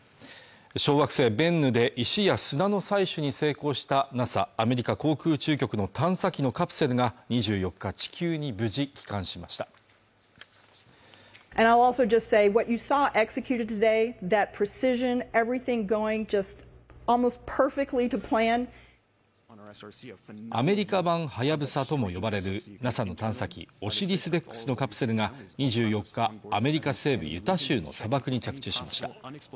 小惑星ベンヌで石や砂の採取に成功したＮＡＳＡ＝アメリカ航空宇宙局の探査機のカプセルが２４日地球に無事帰還しましたアメリカ版はやぶさとも呼ばれるＮＡＳＡの探査機「オシリスレックス」のカプセルが２４日アメリカ西部ユタ州の砂漠に着地しました